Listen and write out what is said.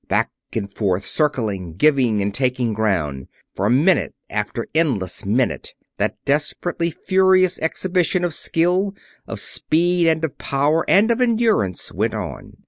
Back and forth circling giving and taking ground for minute after endless minute that desperately furious exhibition of skill, of speed and of power and of endurance went on.